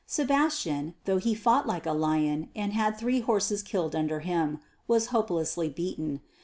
Sebastian, though he fought like a lion, and had three horses killed under him, was hopelessly beaten.